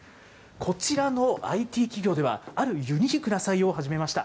こちらのＩＴ企業では、あるユニークな採用を始めました。